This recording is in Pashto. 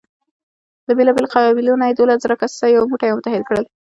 له بېلابېلو قبیلو نه یې دولس زره کسه یو موټی او متحد کړل.